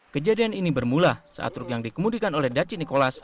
kejadian ini bermula saat truk yang dikemudikan oleh daci nikolas